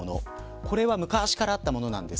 これは昔からあったものです。